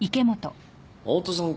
青砥さん